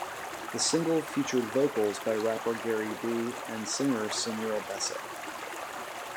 The single featured vocals by rapper Gary B. and singer Samira Besic.